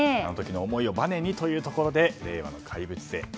あの時の思いをバネにということで令和の怪物へ。